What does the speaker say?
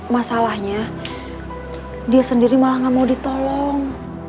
masalahnya dia sendiri malah nggak mau ditolong